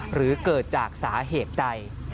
หรือเกิดจากสาเหตุใด